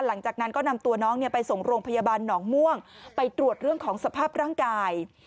หลังจากนั้นก็นำตัวน้องไปส่งโรงพยาบาลหนองม่วงไปตรวจเรื่องของสภาพร่างกาย